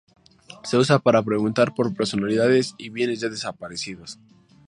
Se usa para preguntar por personalidades y bienes ya desaparecidos.